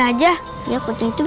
kalau mau tuhanjakan